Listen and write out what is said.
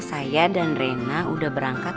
saya dan rena udah berangkat